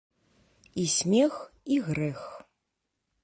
І смех, і грэх.